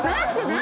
何？